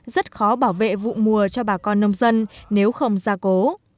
rất khó bảo vệ vụ mùa cho bà con nông dân nếu không ra cố